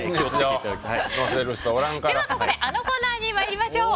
ではここであのコーナーに参りましょう。